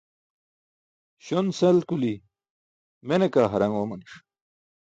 Śon-sel kuli̇ mene kaa haraṅ oomani̇ṣ.